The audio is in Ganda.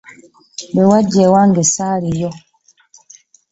Lwe wajja ewange ssaaliyo.